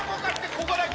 ここだけ！